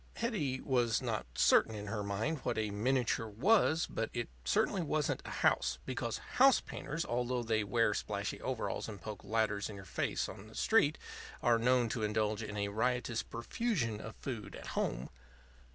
Hetty was not certain in her mind what a miniature was; but it certainly wasn't a house; because house painters, although they wear splashy overalls and poke ladders in your face on the street, are known to indulge in a riotous profusion of food at home.